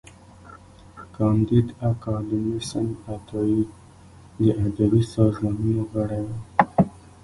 کانديد اکاډميسن عطايي د ادبي سازمانونو غړی و.